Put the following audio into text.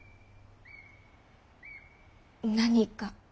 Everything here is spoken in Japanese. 何か。